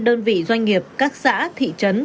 đơn vị doanh nghiệp các xã thị trấn